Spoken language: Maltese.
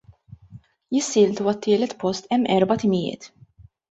Jissieltu għat-tielet post hemm erba' timijiet.